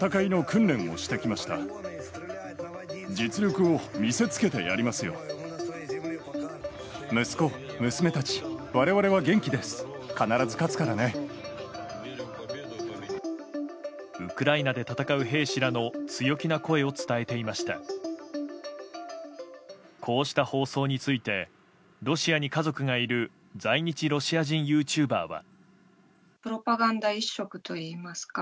こうした放送についてロシアに家族がいる在日ロシア人ユーチューバーは。